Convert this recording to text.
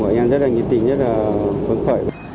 bà em rất là nhiệt tình